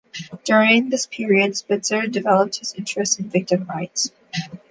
During this period Spitzer developed his interest in victims' rights.